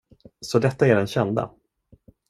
Så detta är den kända?